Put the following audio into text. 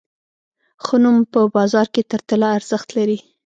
ښه نوم په بازار کې تر طلا ارزښت لري.